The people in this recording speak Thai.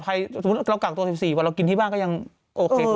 ถ้าถือว่าเรากากตกที่๑๔วันเรากินที่บ้านก็ยังโอเค